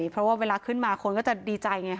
เพราะว่าเวลาขึ้นมาคนก็จะดีใจไง